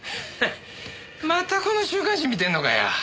またこの週刊誌見てんのかよ。